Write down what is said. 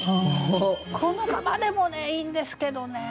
このままでもいいんですけどね。